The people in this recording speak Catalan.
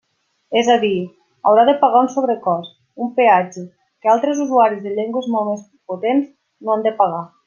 És a dir, haurà de pagar un sobrecost, un peatge, que altres usuaris de llengües molt més potents no han de pagar.